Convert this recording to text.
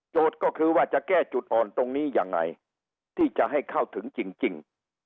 ก็คือว่าจะแก้จุดอ่อนตรงนี้ยังไงที่จะให้เข้าถึงจริง